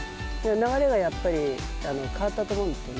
流れがやっぱり、変わったと思うんですよね。